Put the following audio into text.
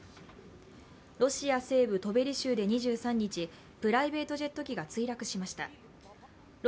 ロシア西部トベリ州で２３日、プライベートジェット機が墜落しました。